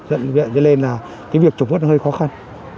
cho nên việc trục vớt hơi khó khăn